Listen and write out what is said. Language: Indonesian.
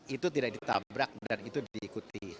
itu tidak ditabrak dan itu diikuti